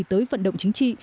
tới vận động chính trị